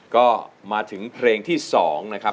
ก็มาถึงเพลงที่๒นะครับ